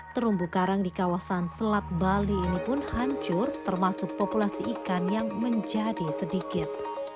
terumbu karang di kawasan selat bali ini pun hancur termasuk populasi ikan yang menjadi sedikit